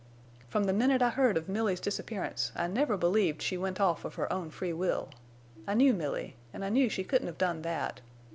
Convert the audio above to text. "From the minute I heard of Milly's disappearance I never believed she went off of her own free will. I knew Milly, an' I knew she couldn't have done that.